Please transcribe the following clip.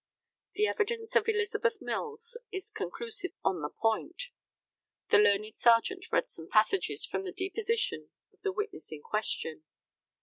The evidence of Elizabeth Mills is conclusive on the point. [The learned Serjeant read some passages from the deposition of the witness in question.